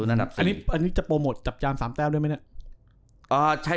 อันนี้จะโปรโมทจับยาม๓แป้วด้วยมั้ย